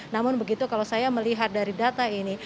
namun begitu kalau saya melihat dari data ini